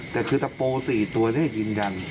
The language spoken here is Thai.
แต่คือตะโปร๔ตัวนี้ยืนยัน